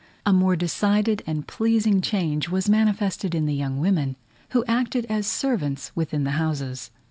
A more decided and pleasing change was manifested in the young women, who acted as servants within the houses.